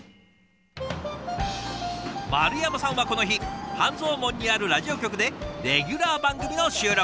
丸山さんはこの日半蔵門にあるラジオ局でレギュラー番組の収録。